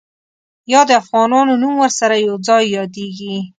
یا د افغانانو نوم ورسره یو ځای یادېږي.